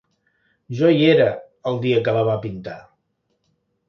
Jo hi era, el dia que la va pintar.